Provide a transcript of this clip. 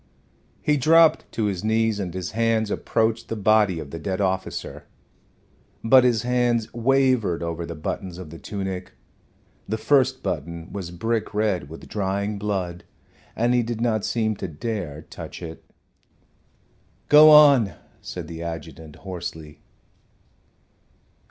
He dropped to his knees, and his hands approached the body of the dead officer. But his hands wavered over the buttons of the tunic. The first button was brick red with drying blood, and he did not seem to dare touch it. "Go on," said the adjutant, hoarsely.